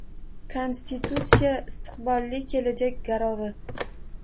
Konstitutsiya - istiqbolli kelajak garovi